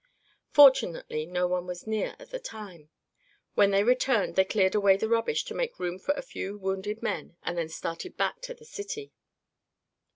Fortunately no one was near at the time. When they returned they cleared away the rubbish to make room for a few wounded men and then started back to the city.